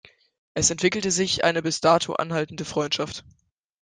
Es entwickelte sich eine bis dato anhaltende Freundschaft.